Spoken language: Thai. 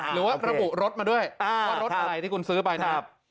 หรือว่าระบุรสมาด้วยก็รสอะไรที่คุณซื้อไปนะครับ